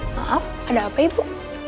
maaf ada apa ibu